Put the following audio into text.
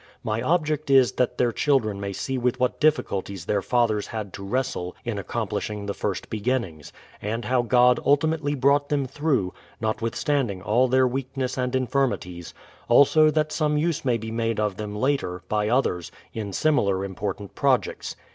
My object is that their children may see with what difficulties their fathers had to wrestle in accomplish ing the first beginnings ; and how God ultimately brought them through, notwithstanding all their weakness and in firmities; also that some use may be made of them later, by others, in similar important projects.